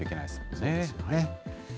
そうですよね。